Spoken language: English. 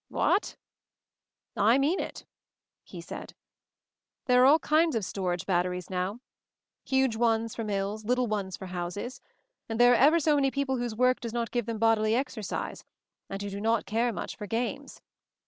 "What!" "I mean it," he said. "There are all kinds of storage batteries now. Huge ones for mills, little ones for houses; and there are ever so many people whose work does not give them bodily exercise, and who do not care much for games.